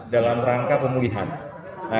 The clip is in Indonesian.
dalam rangkaian kesehatan